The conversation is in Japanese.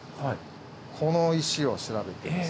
この石を調べています。